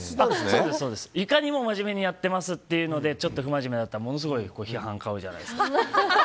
いかにも真面目にやってますというので不真面目だったらものすごい批判買うじゃないですか。